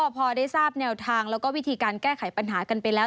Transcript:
พอได้ทราบแนวทางแล้วก็วิธีการแก้ไขปัญหากันไปแล้ว